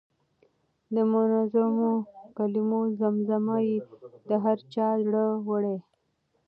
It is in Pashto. د منظومو کلمو زمزمه یې د هر چا زړه وړه.